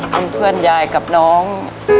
เป็นเพื่อนยายกับน้อง